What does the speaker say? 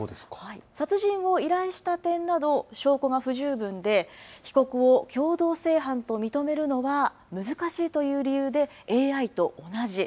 殺人を依頼した点など、証拠が不十分で、被告を共同正犯と認めるのは難しいという理由でＡＩと同じ。